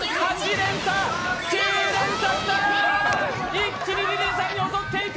一気にリリーさんに襲っていく。